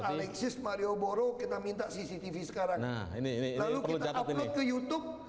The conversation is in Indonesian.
alexis mario boro kita minta cctv sekarang ini lalu kita upload ke youtube